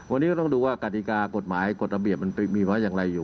วันนี้ก็ต้องดูว่ากฎิกากฎหมายกฎระเบียบมันมีไว้อย่างไรอยู่